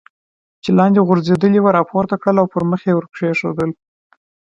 چې لاندې غورځېدلې وه را پورته کړل او پر مخ یې ور کېښودل.